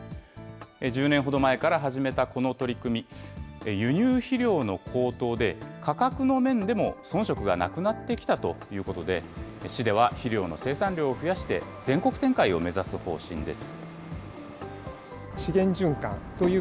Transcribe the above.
１０年ほど前から始めたこの取り組み、輸入肥料の高騰で、価格の面でも遜色がなくなってきたということで、市では肥料の生産量を増やして、全国展開を目指す方針です。